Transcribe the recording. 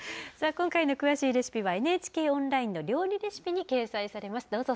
今回の詳しいレシピは、ＮＨＫオンラインの料理レシピに掲載されます。